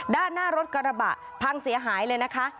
ด้านหน้ารถกระบะพังเสียหายเลยนะคะ